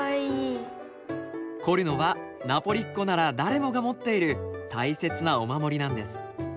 コルノはナポリっ子なら誰もが持っている大切なお守りなんです。